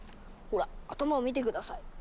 ほら頭を見て下さい。